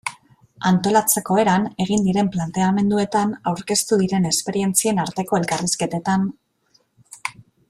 Antolatzeko eran, egin diren planteamenduetan, aurkeztu diren esperientzien arteko elkarrizketan...